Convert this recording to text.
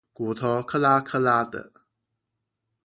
骨頭喀啦喀啦地